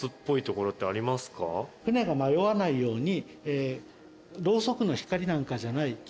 船が迷わないように。